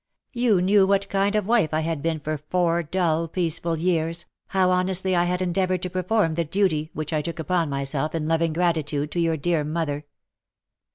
You knew what kind of WITH A PALE YET STEADY FACE/^ 291 wife I had been for four dull, peaceful years — liow honestly I had endeavoured to perform the duty which I took upon myself in loving gratitude to your dear mother.